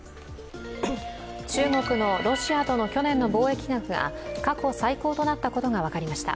中国のロシアとの去年の貿易額が過去最高となったことが分かりました。